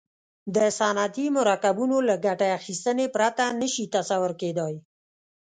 د صنعتي مرکبونو له ګټې اخیستنې پرته نه شي تصور کیدای.